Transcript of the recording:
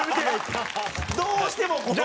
どうしてもこう。